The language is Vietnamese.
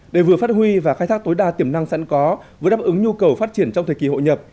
để vừa phát huy và khai thác tối đa tiềm năng sẵn có vừa đáp ứng nhu cầu phát triển trong thời kỳ hội nhập